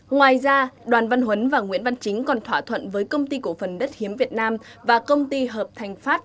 ngoài ra đoàn văn huấn và nguyễn văn chính còn thỏa thuận với công ty cổ phần đất hiếm việt nam và công ty hợp thành pháp